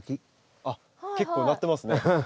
あっ結構なってますね。